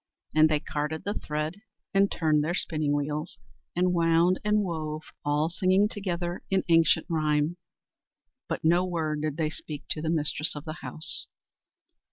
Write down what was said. And they carded the thread, and turned their spinning wheels, and wound and wove, all singing together an ancient rhyme, but no word did they speak to the mistress of the house.